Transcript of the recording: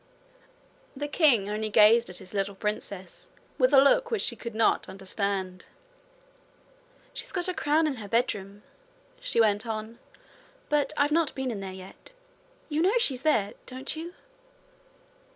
The king only gazed at his little princess with a look which she could not understand. 'She's got her crown in her bedroom,' she went on; 'but I've not been in there yet. You know she's there, don't you?'